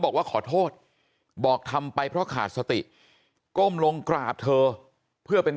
บอกว่าขอโทษบอกทำไปเพราะขาดสติก้มลงกราบเธอเพื่อเป็น